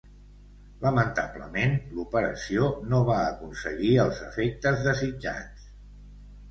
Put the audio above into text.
Lamentablement, l'operació no va aconseguir els efectes desitjats.